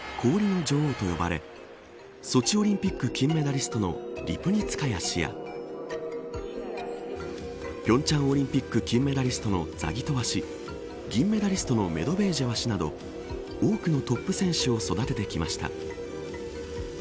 有無を言わさぬ指導法から氷の女王と呼ばれソチオリンピック金メダリストのリプニツカヤ氏や平昌オリンピック金メダリストのザギトワ氏銀メダリストのメドベージェワ氏など多くのトップ選手を育ててきました。